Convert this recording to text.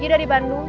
pergi dari bandung